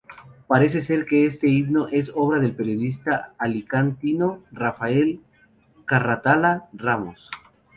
Parece ser que este himno es obra del periodista alicantino Rafael Carratalá Ramos.